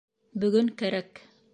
Бөгөн кәрәк.